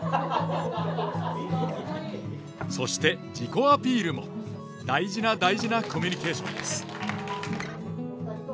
そして自己アピールも大事な大事なコミュニケーションです。